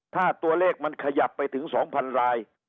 ถ้าตัวเลขมันขยับไปถึง๒๐๐๐ราย